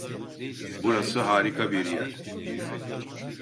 Burası harika bir yer.